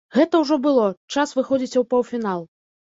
Гэта ўжо было, час выходзіць у паўфінал.